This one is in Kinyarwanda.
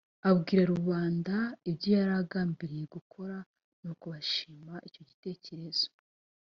abwira rubanda ibyo yari agambiriye gukora nuko bashima icyo gitekerezo